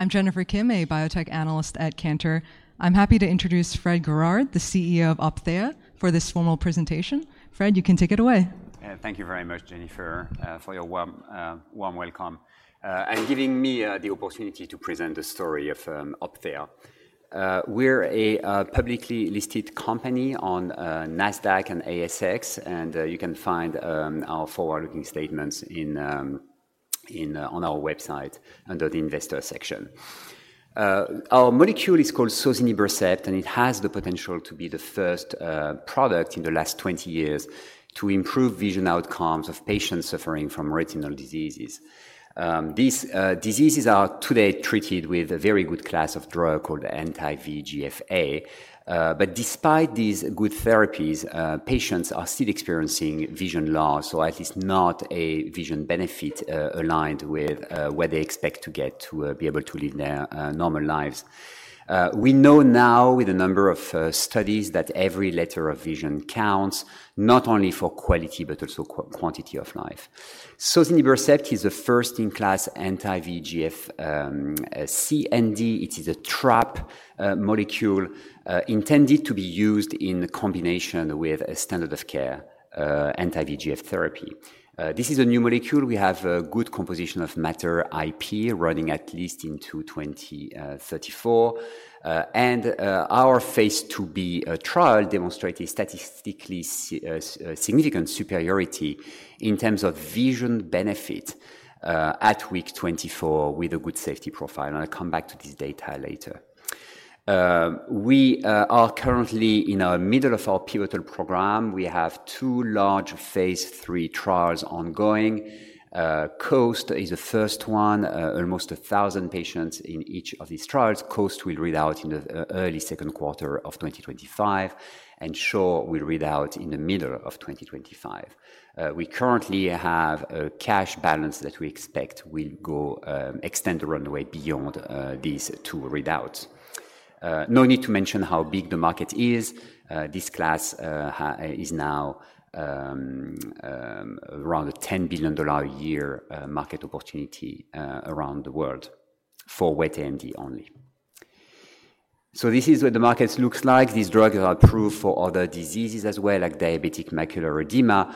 I'm Jennifer Kim, a biotech analyst at Cantor. I'm happy to introduce Fred Guerard, the CEO of Opthea, for this formal presentation. Fred, you can take it away. Thank you very much, Jennifer, for your warm welcome and giving me the opportunity to present the story of Opthea. We're a publicly listed company on NASDAQ and ASX, and you can find our forward-looking statements on our website under the Investor section. Our molecule is called sozinibercept, and it has the potential to be the first product in the last 20 years to improve vision outcomes of patients suffering from retinal diseases. These diseases are today treated with a very good class of drug called anti-VEGF-A, but despite these good therapies, patients are still experiencing vision loss, or at least not a vision benefit aligned with what they expect to get to be able to live their normal lives. We know now, with a number of studies, that every letter of vision counts, not only for quality but also quantity of life. Sozinibercept is the first-in-class anti-VEGF-C and D. It is a trap molecule intended to be used in combination with a standard of care anti-VEGF therapy. This is a new molecule. We have a good composition of matter IP running at least into 2034, and our phase II-B trial demonstrated statistically significant superiority in terms of vision benefit at week 24 with a good safety profile. I'll come back to this data later. We are currently in the middle of our pivotal program. We have two large phase III trials ongoing. COAST is the first one, almost 1,000 patients in each of these trials. COAST will read out in the early second quarter of 2025, and ShORe will read out in the middle of 2025. We currently have a cash balance that we expect will extend the runway beyond these two readouts. No need to mention how big the market is. This class is now around a $10 billion a year market opportunity around the world for wet AMD only. So this is what the market looks like. These drugs are approved for other diseases as well, like diabetic macular edema,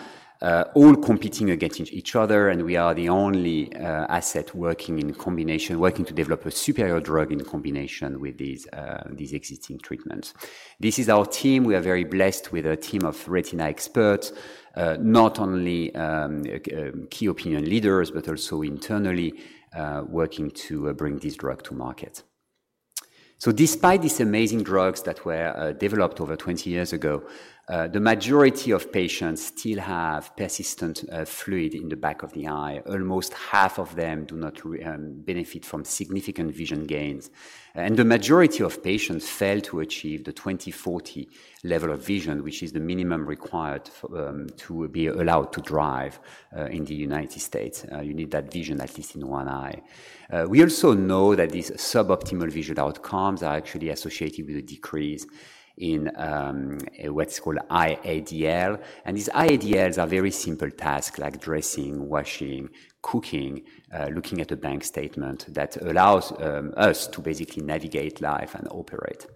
all competing against each other, and we are the only asset working in combination, working to develop a superior drug in combination with these existing treatments. This is our team. We are very blessed with a team of retina experts, not only key opinion leaders but also internally working to bring this drug to market. So despite these amazing drugs that were developed over 20 years ago, the majority of patients still have persistent fluid in the back of the eye. Almost half of them do not benefit from significant vision gains, and the majority of patients fail to achieve the 20/40 level of vision, which is the minimum required to be allowed to drive in the United States. You need that vision at least in one eye. We also know that these suboptimal visual outcomes are actually associated with a decrease in what's called IADL, and these IADLs are very simple tasks, like dressing, washing, cooking, looking at a bank statement that allows us to basically navigate life and operate.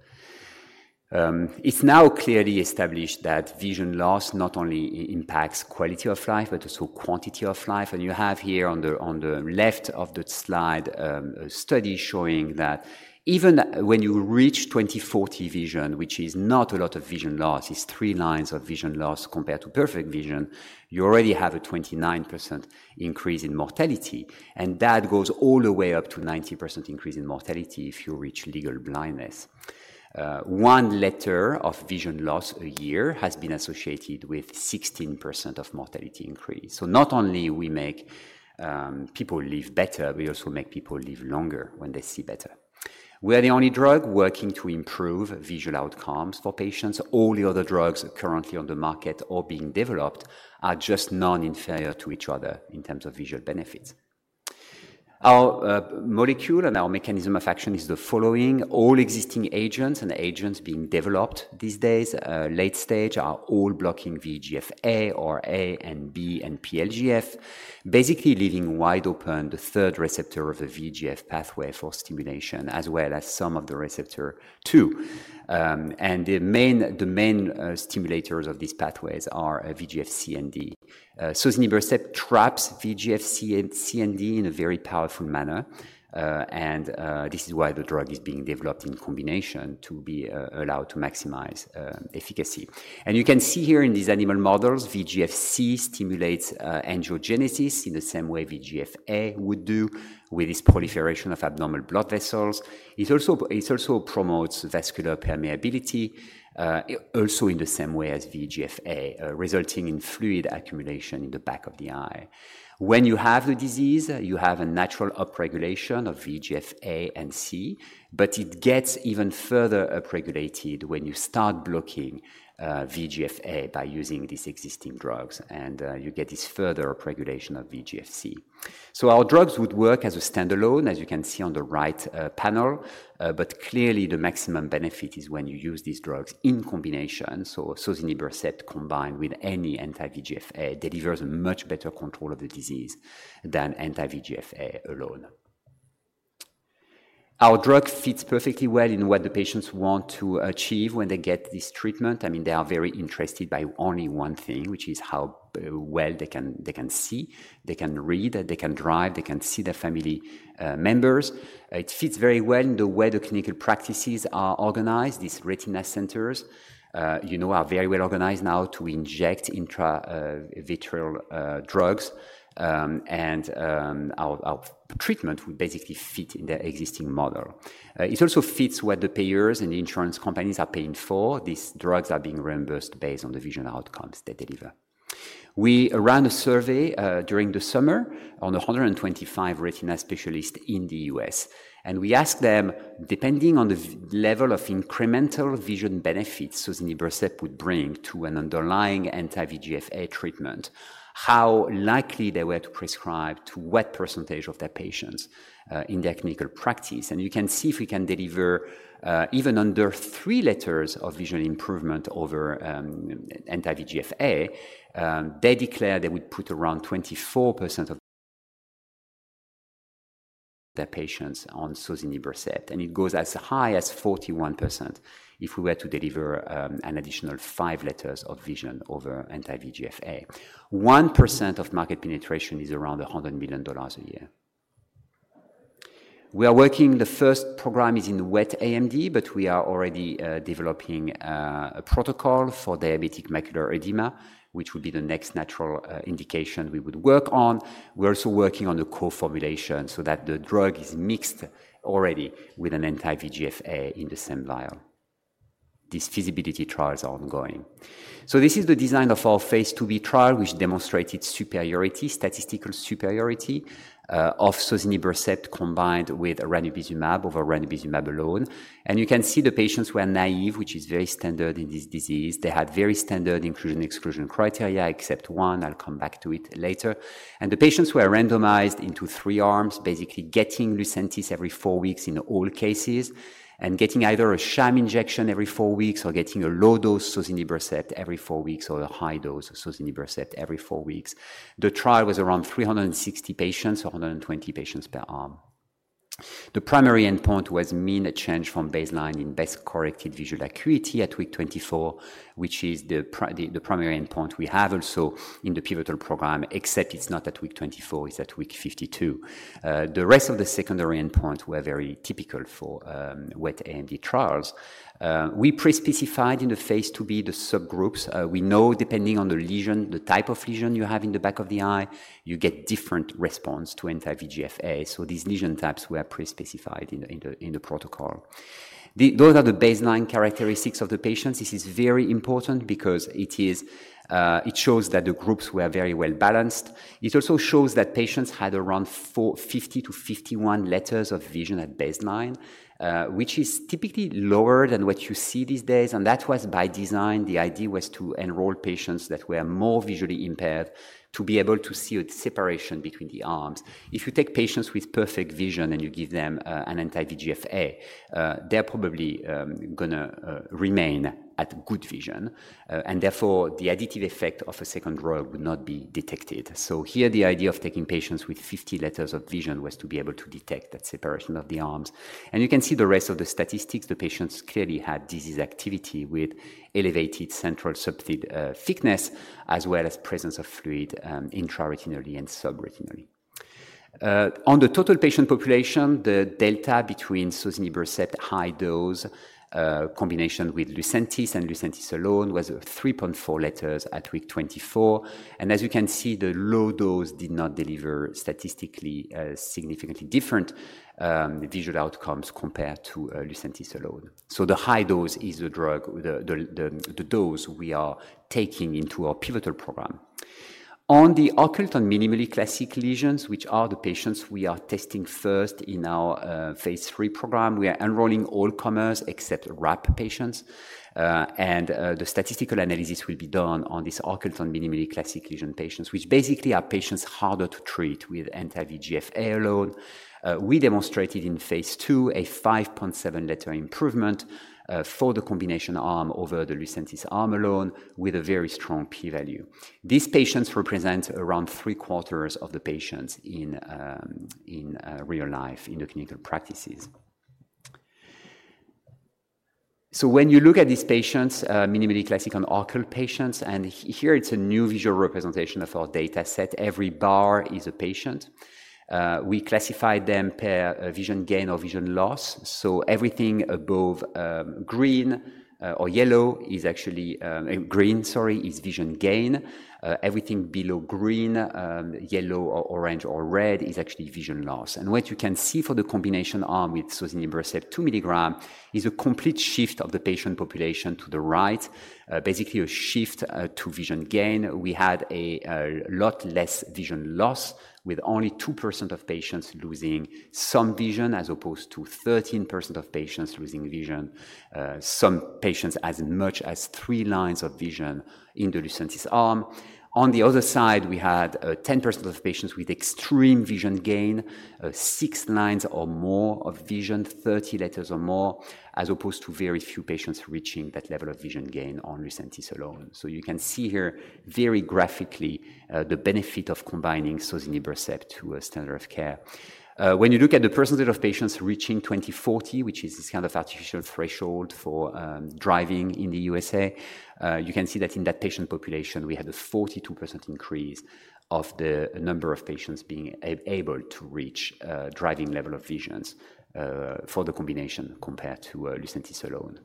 It's now clearly established that vision loss not only impacts quality of life but also quantity of life, and you have here on the left of the slide a study showing that even when you reach 20/40 vision, which is not a lot of vision loss, it's three lines of vision loss compared to perfect vision, you already have a 29% increase in mortality, and that goes all the way up to a 90% increase in mortality if you reach legal blindness. One letter of vision loss a year has been associated with a 16% mortality increase. So not only do we make people live better, we also make people live longer when they see better. We are the only drug working to improve visual outcomes for patients. All the other drugs currently on the market or being developed are just non-inferior to each other in terms of visual benefits. Our molecule and our mechanism of action is the following. All existing agents and agents being developed these days, late stage, are all blocking VEGF-A or A and B and PlGF, basically leaving wide open the third receptor of the VEGF pathway for stimulation, as well as some of the receptor 2, and the main stimulators of these pathways are VEGF-C and D. Sozinibercept traps VEGF-C and D in a very powerful manner, and this is why the drug is being developed in combination to be allowed to maximize efficacy, and you can see here in these animal models, VEGF-C stimulates angiogenesis in the same way VEGF-A would do with this proliferation of abnormal blood vessels. It also promotes vascular permeability, also in the same way as VEGF-A, resulting in fluid accumulation in the back of the eye. When you have the disease, you have a natural upregulation of VEGF-A and C, but it gets even further upregulated when you start blocking VEGF-A by using these existing drugs, and you get this further upregulation of VEGF-C. So our drugs would work as a standalone, as you can see on the right panel, but clearly the maximum benefit is when you use these drugs in combination. So sozinibercept combined with any anti-VEGF-A delivers a much better control of the disease than anti-VEGF-A alone. Our drug fits perfectly well in what the patients want to achieve when they get this treatment. I mean, they are very interested by only one thing, which is how well they can see, they can read, they can drive, they can see their family members. It fits very well in the way the clinical practices are organized. These retina centers are very well organized now to inject intravitreal drugs, and our treatment would basically fit in the existing model. It also fits what the payers and the insurance companies are paying for. These drugs are being reimbursed based on the vision outcomes they deliver. We ran a survey during the summer on 125 retina specialists in the U.S., and we asked them, depending on the level of incremental vision benefits sozinibercept would bring to an underlying anti-VEGF-A treatment, how likely they were to prescribe to what percentage of their patients in their clinical practice, and you can see if we can deliver even under three letters of visual improvement over anti-VEGF-A, they declared they would put around 24% of their patients on sozinibercept, and it goes as high as 41% if we were to deliver an additional five letters of vision over anti-VEGF-A. 1% of market penetration is around $100 million a year. We are working on the first program is in wet AMD, but we are already developing a protocol for diabetic macular edema, which would be the next natural indication we would work on. We're also working on a co-formulation so that the drug is mixed already with an anti-VEGF-A in the same vial. These feasibility trials are ongoing. So this is the design of our phase II-B trial, which demonstrated statistical superiority of sozinibercept combined with ranibizumab over ranibizumab alone. And you can see the patients were naive, which is very standard in this disease. They had very standard inclusion-exclusion criteria, except one. I'll come back to it later. And the patients were randomized into three arms, basically getting Lucentis every four weeks in all cases and getting either a sham injection every four weeks or getting a low-dose sozinibercept every four weeks or a high-dose sozinibercept every four weeks. The trial was around 360 patients, 120 patients per arm. The primary endpoint was mean a change from baseline in best-corrected visual acuity at week 24, which is the primary endpoint we have also in the pivotal program, except it's not at week 24. It's at week 52. The rest of the secondary endpoints were very typical for wet AMD trials. We pre-specified in the phase II-B the subgroups. We know depending on the lesion, the type of lesion you have in the back of the eye, you get different response to anti-VEGF-A. So these lesion types were pre-specified in the protocol. Those are the baseline characteristics of the patients. This is very important because it shows that the groups were very well balanced. It also shows that patients had around 50 to 51 letters of vision at baseline, which is typically lower than what you see these days, and that was by design. The idea was to enroll patients that were more visually impaired to be able to see a separation between the arms. If you take patients with perfect vision and you give them an anti-VEGF-A, they're probably going to remain at good vision, and therefore the additive effect of a second drug would not be detected. So here, the idea of taking patients with 50 letters of vision was to be able to detect that separation of the arms, and you can see the rest of the statistics. The patients clearly had disease activity with elevated central subfield thickness as well as presence of fluid intraretinally and subretinally. On the total patient population, the delta between sozinibercept high dose combination with Lucentis and Lucentis alone was 3.4 letters at week 24, and as you can see, the low dose did not deliver statistically significantly different visual outcomes compared to Lucentis alone, so the high dose is the dose we are taking into our pivotal program. On the occult and minimally classic lesions, which are the patients we are testing first in our phase III program, we are enrolling all comers except RAP patients, and the statistical analysis will be done on these occult and minimally classic lesion patients, which basically are patients harder to treat with anti-VEGF-A alone. We demonstrated in phase II a 5.7-letter improvement for the combination arm over the Lucentis arm alone with a very strong p-value. These patients represent around 3/4 of the patients in real life in the clinical practices. So when you look at these patients, minimally classic and occult patients, and here it's a new visual representation of our data set. Every bar is a patient. We classify them per vision gain or vision loss. So everything above green or yellow is actually green, sorry, is vision gain. Everything below green, yellow, or orange, or red is actually vision loss. And what you can see for the combination arm with sozinibercept 2 mg is a complete shift of the patient population to the right, basically a shift to vision gain. We had a lot less vision loss with only 2% of patients losing some vision as opposed to 13% of patients losing vision, some patients as much as three lines of vision in the Lucentis arm. On the other side, we had 10% of patients with extreme vision gain, six lines or more of vision, 30 letters or more, as opposed to very few patients reaching that level of vision gain on Lucentis alone, so you can see here very graphically the benefit of combining sozinibercept to a standard of care. When you look at the percentage of patients reaching 20/40, which is this kind of artificial threshold for driving in the USA, you can see that in that patient population, we had a 42% increase of the number of patients being able to reach driving level of visions for the combination compared to Lucentis alone.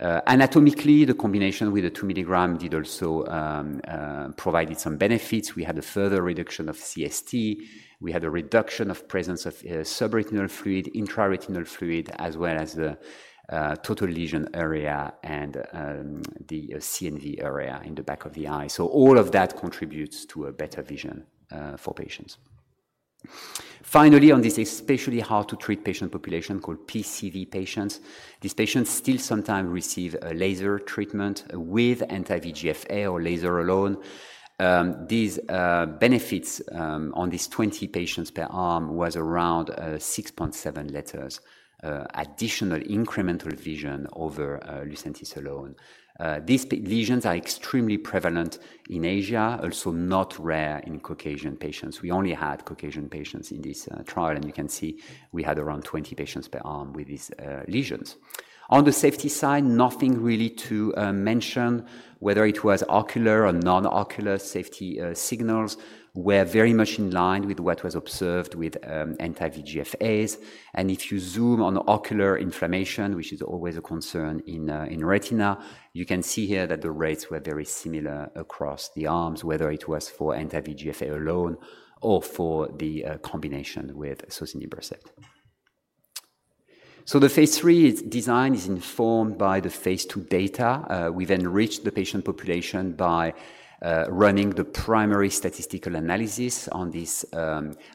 Anatomically, the combination with the 2 mg did also provide some benefits. We had a further reduction of CST. We had a reduction of presence of subretinal fluid, intraretinal fluid, as well as the total lesion area and the CNV area in the back of the eye, so all of that contributes to a better vision for patients. Finally, on this especially hard-to-treat patient population called PCV patients, these patients still sometimes receive laser treatment with anti-VEGF-A or laser alone. These benefits on these 20 patients per arm was around 6.7 letters, additional incremental vision over Lucentis alone. These lesions are extremely prevalent in Asia, also not rare in Caucasian patients. We only had Caucasian patients in this trial, and you can see we had around 20 patients per arm with these lesions. On the safety side, nothing really to mention. Whether it was ocular or non-ocular safety signals were very much in line with what was observed with anti-VEGF-As, and if you zoom on ocular inflammation, which is always a concern in retina, you can see here that the rates were very similar across the arms, whether it was for anti-VEGF-A alone or for the combination with sozinibercept, so the phase III design is informed by the phase II data. We've enriched the patient population by running the primary statistical analysis on this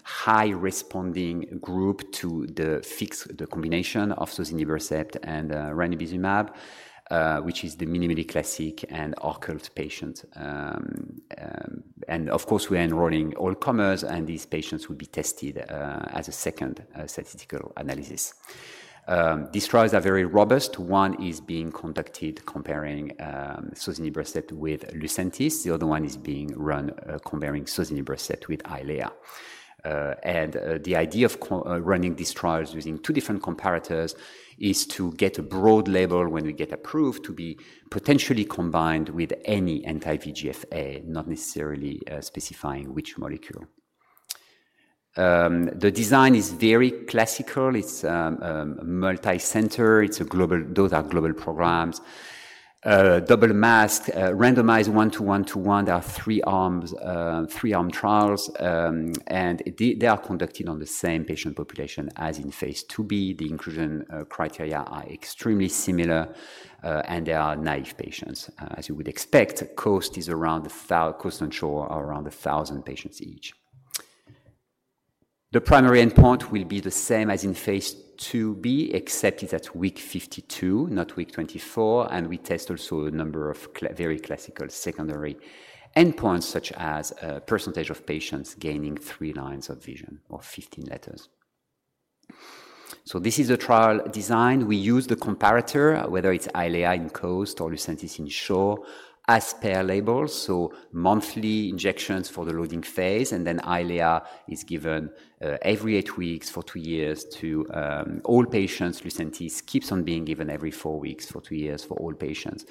high-responding group to the combination of sozinibercept and ranibizumab, which is the minimally classic and occult patient, and of course, we are enrolling all comers, and these patients would be tested as a second statistical analysis. These trials are very robust. One is being conducted comparing sozinibercept with Lucentis. The other one is being run comparing sozinibercept with Eylea. The idea of running these trials using two different comparators is to get a broad label when we get approved to be potentially combined with any anti-VEGF-A, not necessarily specifying which molecule. The design is very classical. It's multi-centered. Those are global programs. Double mask, randomized one-to-one-to-one. There are three-arm trials, and they are conducted on the same patient population as in phase II-B. The inclusion criteria are extremely similar, and they are naive patients. As you would expect, cost is around 1,000 patients each. The primary endpoint will be the same as in phase II-B, except it's at week 52, not week 24, and we test also a number of very classical secondary endpoints such as percentage of patients gaining three lines of vision or 15 letters. This is the trial design. We use the comparator, whether it's Eylea in COAST or Lucentis in ShORe, as per labels, so monthly injections for the loading phase, and then Eylea is given every eight weeks for two years to all patients. Lucentis keeps on being given every four weeks for two years for all patients,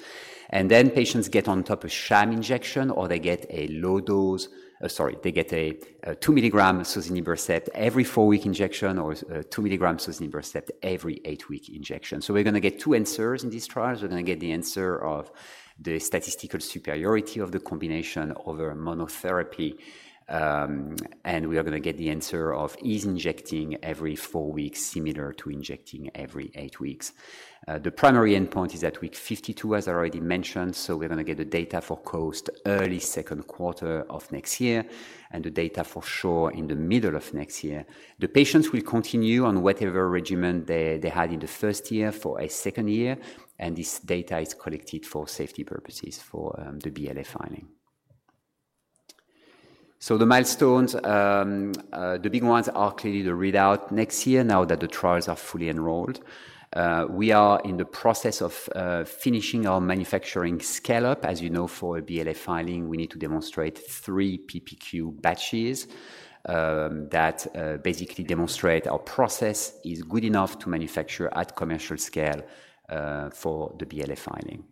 and then patients get on top a sham injection or they get a low dose, sorry, they get a 2 mg sozinibercept every four-week injection or 2 mg sozinibercept every eight-week injection, so we're going to get two answers in these trials. We're going to get the answer of the statistical superiority of the combination over monotherapy, and we are going to get the answer of ease injecting every four weeks similar to injecting every eight weeks. The primary endpoint is at week 52, as I already mentioned, so we're going to get the data for COAST early second quarter of next year and the data for ShORe in the middle of next year. The patients will continue on whatever regimen they had in the first year for a second year, and this data is collected for safety purposes for the BLA filing. So the milestones, the big ones are clearly the readout next year now that the trials are fully enrolled. We are in the process of finishing our manufacturing scale-up. As you know, for a BLA filing, we need to demonstrate three PPQ batches that basically demonstrate our process is good enough to manufacture at commercial scale for the BLA filing.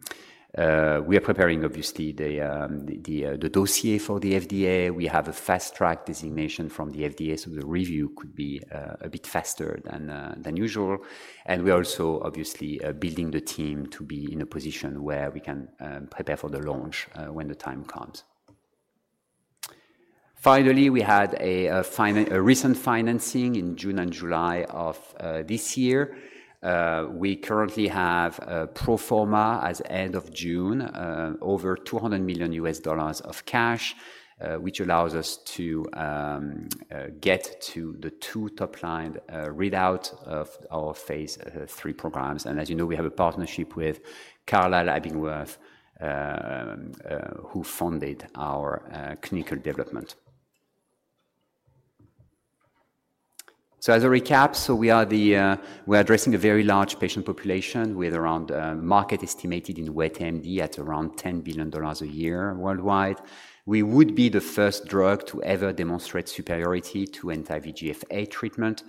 We are preparing, obviously, the dossier for the FDA. We have a fast-track designation from the FDA, so the review could be a bit faster than usual. And we're also, obviously, building the team to be in a position where we can prepare for the launch when the time comes. Finally, we had a recent financing in June and July of this year. We currently have pro forma as of end of June, over $200 million of cash, which allows us to get to the two top-line readout of our phase III programs. And as you know, we have a partnership with Carlyle Abingworth, who funded our clinical development. So as a recap, we are addressing a very large patient population with a round market estimate in wet AMD at around $10 billion a year worldwide. We would be the first drug to ever demonstrate superiority to anti-VEGF-A treatment,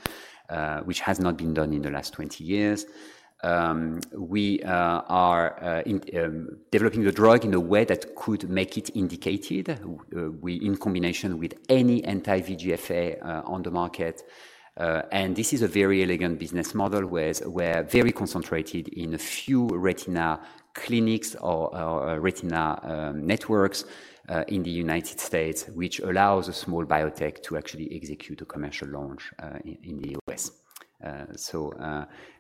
which has not been done in the last 20 years. We are developing the drug in a way that could make it indicated in combination with any anti-VEGF-A on the market. And this is a very elegant business model where we're very concentrated in a few retina clinics or retina networks in the United States, which allows a small biotech to actually execute a commercial launch in the U.S. So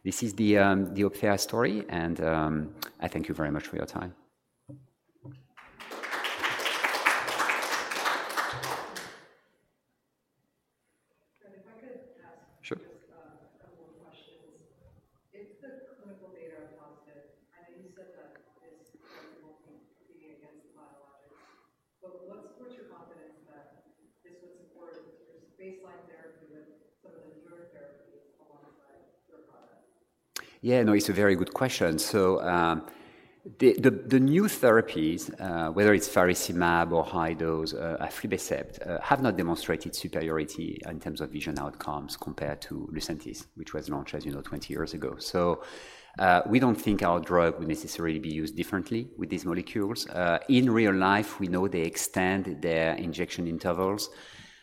this is the Opthea story, and I thank you very much for your time. If I could ask a couple more questions. If the clinical data are positive, I know you said that this drug won't be competing against the biologics, but what's your confidence that this would support your baseline therapy with some of the newer therapies alongside your product? Yeah, no, it's a very good question. So the new therapies, whether it's faricimab or high-dose aflibercept, have not demonstrated superiority in terms of vision outcomes compared to Lucentis, which was launched, as you know, 20 years ago. So we don't think our drug would necessarily be used differently with these molecules. In real life, we know they extend their injection intervals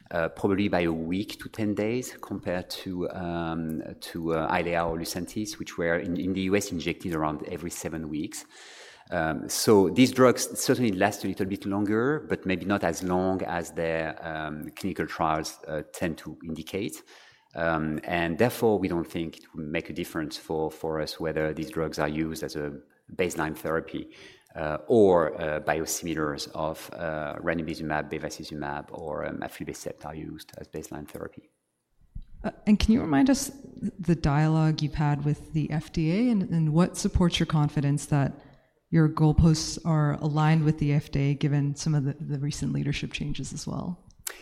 probably by a week to 10 days compared to Eylea or Lucentis, which were in the U.S. injected around every seven weeks. So these drugs certainly last a little bit longer, but maybe not as long as their clinical trials tend to indicate. And therefore, we don't think it would make a difference for us whether these drugs are used as a baseline therapy or biosimilars of ranibizumab, bevacizumab, or aflibercept are used as baseline therapy. Can you remind us the dialogue you've had with the FDA and what supports your confidence that your goalposts are aligned with the FDA given some of the recent leadership changes as well?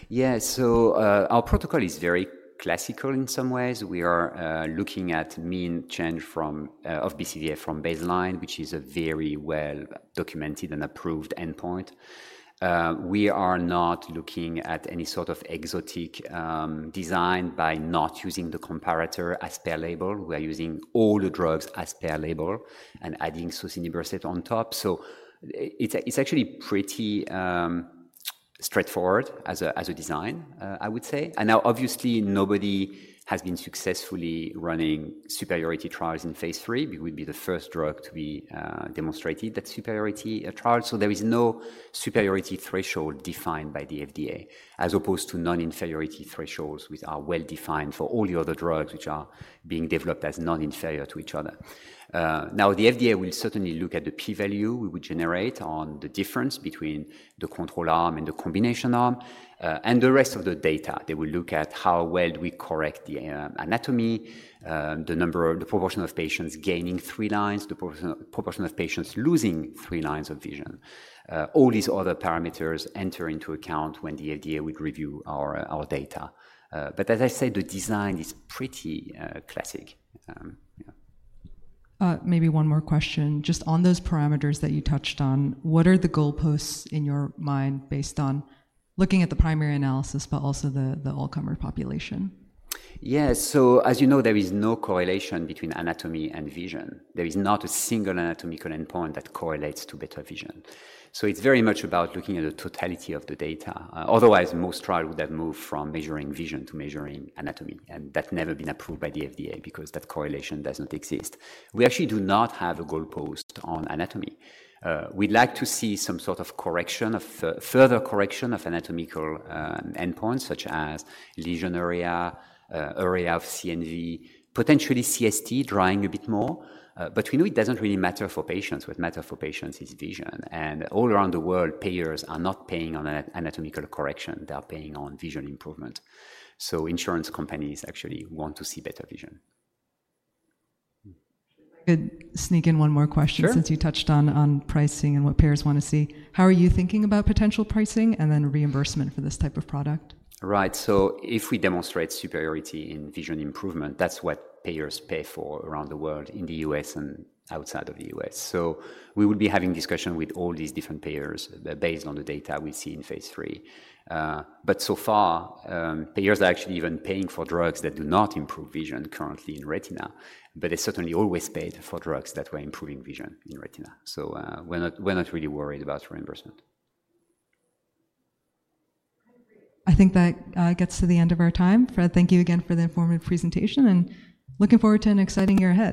Yeah, so our protocol is very classical in some ways. We are looking at mean change of BCVA from baseline, which is a very well-documented and approved endpoint. We are not looking at any sort of exotic design by not using the comparator as per label. We are using all the drugs as per label and adding sozinibercept on top. So it's actually pretty straightforward as a design, I would say, and now, obviously, nobody has been successfully running superiority trials in phase III. We would be the first drug to be demonstrated that superiority trial. So there is no superiority threshold defined by the FDA, as opposed to non-inferiority thresholds which are well-defined for all the other drugs which are being developed as non-inferior to each other. Now, the FDA will certainly look at the p-value we would generate on the difference between the control arm and the combination arm, and the rest of the data. They will look at how well do we correct the anatomy, the proportion of patients gaining three lines, the proportion of patients losing three lines of vision. All these other parameters enter into account when the FDA would review our data. But as I said, the design is pretty classic. Maybe one more question. Just on those parameters that you touched on, what are the goalposts in your mind based on looking at the primary analysis, but also the all-comer population? Yeah, so as you know, there is no correlation between anatomy and vision. There is not a single anatomical endpoint that correlates to better vision. So it's very much about looking at the totality of the data. Otherwise, most trials would have moved from measuring vision to measuring anatomy, and that's never been approved by the FDA because that correlation does not exist. We actually do not have a goalpost on anatomy. We'd like to see some sort of correction of further correction of anatomical endpoints such as lesion area, area of CNV, potentially CST drying a bit more. But we know it doesn't really matter for patients. What matters for patients is vision. And all around the world, payers are not paying on anatomical correction. They are paying on vision improvement. So insurance companies actually want to see better vision. Should I sneak in one more question since you touched on pricing and what payers want to see? How are you thinking about potential pricing and then reimbursement for this type of product? Right, so if we demonstrate superiority in vision improvement, that's what payers pay for around the world in the U.S. and outside of the U.S. So we would be having discussion with all these different payers based on the data we see in phase III. But so far, payers are actually even paying for drugs that do not improve vision currently in retina, but they certainly always paid for drugs that were improving vision in retina. So we're not really worried about reimbursement. I think that gets to the end of our time. Fred, thank you again for the informative presentation, and looking forward to an exciting year ahead.